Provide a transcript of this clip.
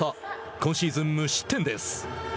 今シーズン無失点です。